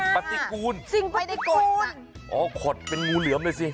ปฏิกูลสิ่งปฏิกูลอ๋อขดเป็นงูเหลือมเลยสิ